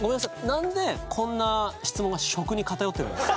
なんでこんな質問が食に偏ってるんですか？